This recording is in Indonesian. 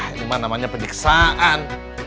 ini mah namanya penyiksaan